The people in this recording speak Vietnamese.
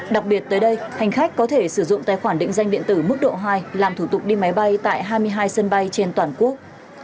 đặc biệt tới đây hành khách có thể sử dụng tài khoản định danh điện tử mức độ hai làm thủ tục đi máy bay tại hai mươi hai sân bay trên toàn quốc